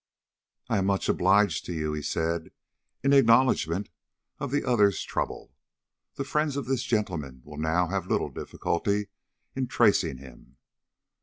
"I am much obliged to you," he said, in acknowledgment of the other's trouble. "The friends of this gentleman will now have little difficulty in tracing him.